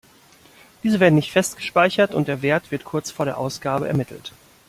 Diese werden nicht fest gespeichert, und der Wert wird kurz vor der Ausgabe ermittelt.